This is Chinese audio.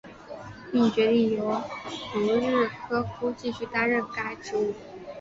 并决定由卢日科夫继续担任该职务。